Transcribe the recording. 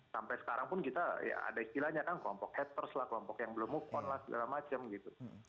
sampai sekarang pun kita ya ada istilahnya kan kelompok haters lah kelompok yang belum move on lah segala macam gitu